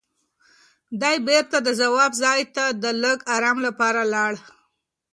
دی بېرته د خوب ځای ته د لږ ارام لپاره لاړ.